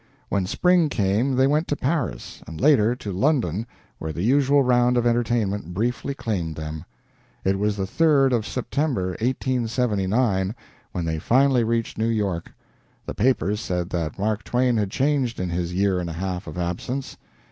When spring came they went to Paris, and later to London, where the usual round of entertainment briefly claimed them. It was the 3d of September, 1879, when they finally reached New York. The papers said that Mark Twain had changed in his year and a half of absence.